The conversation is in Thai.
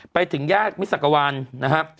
ไปถึงแยกมิสักวันนะฮะ